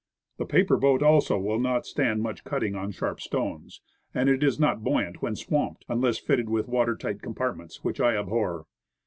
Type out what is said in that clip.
The paper boat, also, will not stand much cutting on sharp stones, and is not buoyant when swamped, unless fitted with water tight compartments, which I abhor.